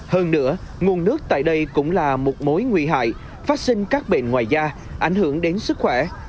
hơn nữa nguồn nước tại đây cũng là một mối nguy hại phát sinh các bệnh ngoài da ảnh hưởng đến sức khỏe